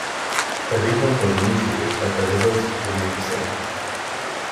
A recount was initiated but the results remained the same.